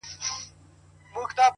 خو يو ځل بيا وسجدې ته ټيټ سو،